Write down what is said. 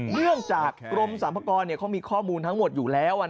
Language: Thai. เนื่องจากกรมสรรพากรเขามีข้อมูลทั้งหมดอยู่แล้ว